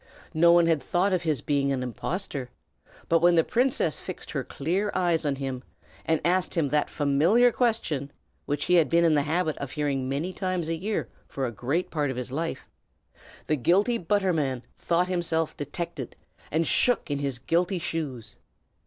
No one had thought of his being an impostor; but when the princess fixed her clear eyes on him and asked him that familiar question, which he had been in the habit of hearing many times a day for a great part of his life, the guilty butterman thought himself detected, and shook in his guilty shoes.